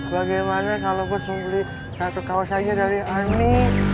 bagaimana kalau bos membeli satu kaos aja dari ani